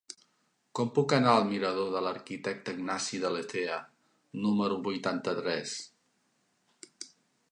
Com puc anar al mirador de l'Arquitecte Ignasi de Lecea número vuitanta-tres?